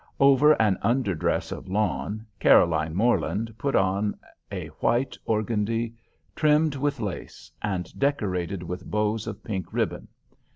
Over an under dress of lawn, Caroline Morland put on a white organdy trimmed with lace, and decorated with bows of pink ribbon.